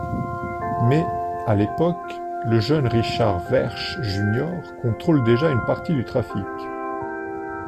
Mais, à l'époque, le jeune Richard Wershe Jr contrôle déjà une partie du trafic.